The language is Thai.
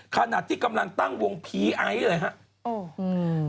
ขณะที่กำลังตั้งวงผีไอซ์เลยครับ